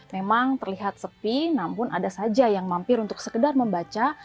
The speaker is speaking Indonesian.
memang terlihat sepi namun ada saja yang mampir untuk sekedar membaca